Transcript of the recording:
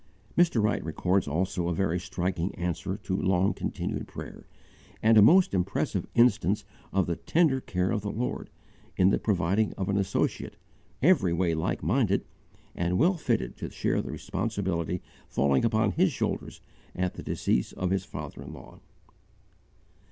Mr. Wright records also a very striking answer to long continued prayer, and a most impressive instance of the tender care of the Lord, in the providing of an associate, every way like minded, and well fitted to share the responsibility falling upon his shoulders at the decease of his father in law.